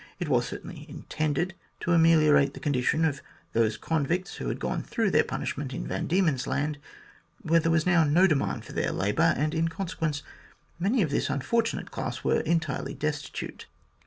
It was certainly intended to ameliorate the condition of those convicts who had gone through their punishment in Van Diemen's Land, where there was now no demand for their labour, and, in consequence, many of this unfortunate class were entirely destitute.